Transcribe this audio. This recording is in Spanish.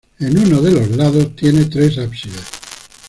En uno de los lados tiene tres ábsides.